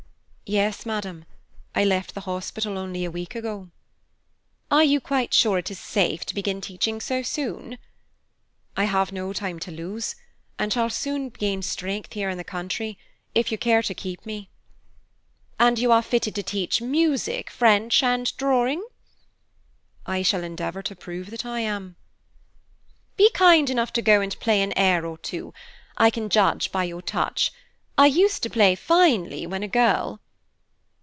"Yes, madam, I left the hospital only a week ago." "Are you quite sure it is safe to begin teaching so soon?" "I have no time to lose, and shall soon gain strength here in the country, if you care to keep me." "And you are fitted to teach music, French, and drawing?" "I shall endeavor to prove that I am." "Be kind enough to go and play an air or two. I can judge by your touch; I used to play finely when a girl."